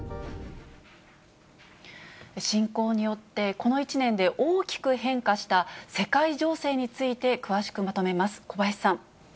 侵攻によって、この１年で大きく変化した世界情勢について詳しくまとめます。